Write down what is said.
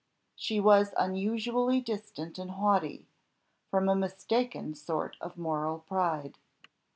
She was unusually distant and haughty, from a mistaken sort of moral pride.